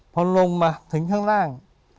พอลงมาถึงข้างล่าง